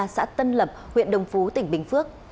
xã tân lập huyện đồng phú tỉnh bình phước